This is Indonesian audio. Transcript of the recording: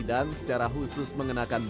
dan secara khusus mengenalpakan kaya